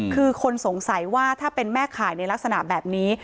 คือคนสงสัยว่าถ้าเป็นแม่ข่ายในลักษณะแบบนี้